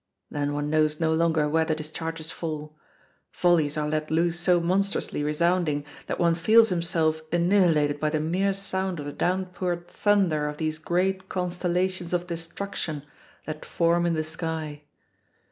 Then one knows no longer where the discharges fall. Volleys are let loose so monstrously resounding that one feels himself annihilated by the mere sound of the downpoured thunder of these great constellations of destruction that form in the sky.